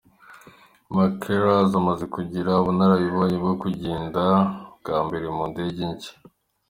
Macheras amaze kugira ubunararibonye bwo kugenda bwa mbere mu ndege nshya.